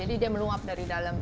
jadi dia melungap dari dalam